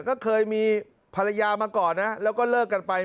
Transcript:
ก็เคยมีภรรยามาก่อนนะแล้วก็เลิกกันไป